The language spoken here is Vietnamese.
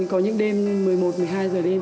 có những đêm một mươi một một mươi hai giờ đêm